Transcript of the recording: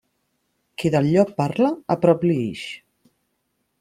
Qui del llop parla, a prop li ix.